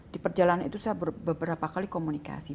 di perjalanan itu saya beberapa kali komunikasi